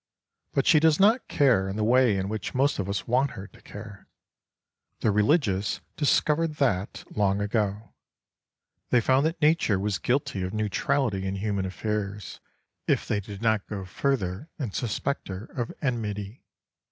But she does not care in the way in which most of us want her to care. The religious discovered that long ago. They found that Nature was guilty of neutrality in human affairs if they did not go further and suspect her of enmity.